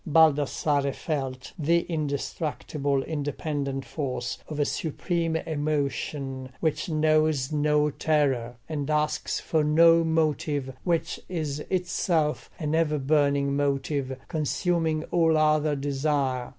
Baldassarre felt the indestructible independent force of a supreme emotion, which knows no terror, and asks for no motive, which is itself an ever burning motive, consuming all other desire.